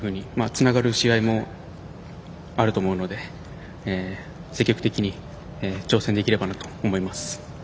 つながる試合もあると思うので、積極的に挑戦できればなと思います。